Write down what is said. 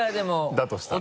だとしたら。